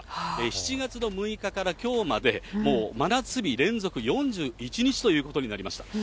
７月の６日からきょうまで、もう真夏日連続４１日ということになりました。